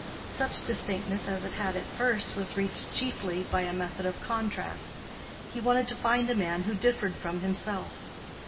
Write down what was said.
Such distinctness as it had at first was reached chiefly by a method of contrast: he wanted to find a man who differed from himself.